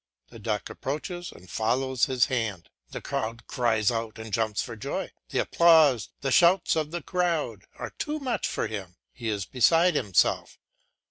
The duck approaches and follows his hand. The child cries out and jumps for joy. The applause, the shouts of the crowd, are too much for him, he is beside himself.